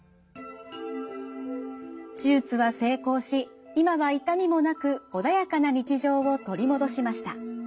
手術は成功し今は痛みもなく穏やかな日常を取り戻しました。